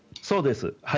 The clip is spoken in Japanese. そうです。